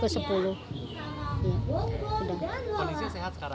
kondisinya sehat sekarang